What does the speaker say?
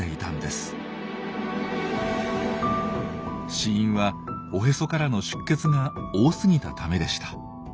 死因はおへそからの出血が多すぎたためでした。